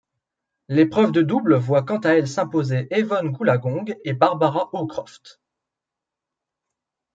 L'épreuve de double voit quant à elle s'imposer Evonne Goolagong et Barbara Hawcroft.